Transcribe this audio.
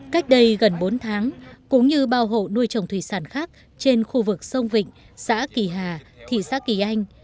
cách đây gần bốn tháng cũng như bao hộ nuôi trồng thủy sản khác trên khu vực sông vịnh xã kỳ hà thị xã kỳ anh